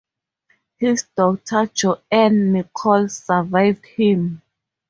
His daughter, Joan Nicol, survived him.